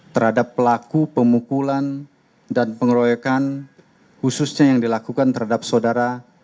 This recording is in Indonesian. terhadap pelaku pemukulan dan pengeroyokan khususnya yang dilakukan terhadap saudara